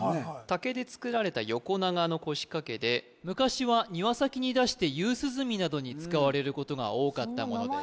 竹で作られた横長の腰掛けで昔は庭先に出して夕涼みなどに使われることが多かったものです